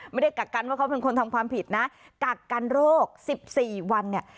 ไม่ได้กักกันว่าเขาเป็นคนทำความผิดนะกักกันโรคสิบสี่วันเนี่ย